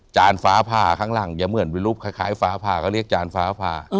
ฟ้าผ่าข้างหลังอย่าเหมือนเป็นรูปคล้ายฟ้าผ่าก็เรียกจานฟ้าผ่า